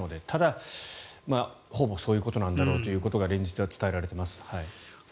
ただ、ほぼそういうことなんだろうということが連日、伝えられています。